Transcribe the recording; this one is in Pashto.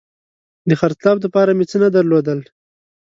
د خرڅلاو دپاره مې څه نه درلودل